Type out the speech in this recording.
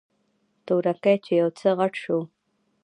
تورکى چې يو څه غټ سو.